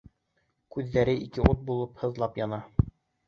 Күҙҙәре ике ут булып һазлап яна.